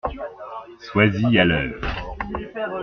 Sois-y à l’heure !